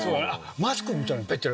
マスクみたいに。